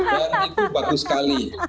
dan itu bagus sekali